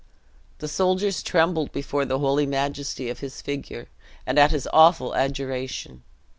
The soldiers trembled before the holy majesty of his figure, and at his awful adjuration.